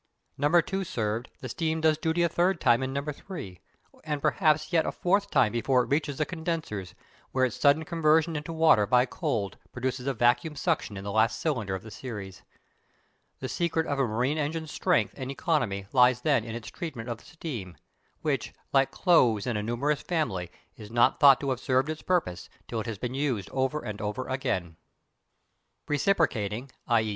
Number two served, the steam does duty a third time in number three, and perhaps yet a fourth time before it reaches the condensers, where its sudden conversion into water by cold produces a vacuum suction in the last cylinder of the series. The secret of a marine engine's strength and economy lies then in its treatment of the steam, which, like clothes in a numerous family, is not thought to have served its purpose till it has been used over and over again. Reciprocating (_i.e.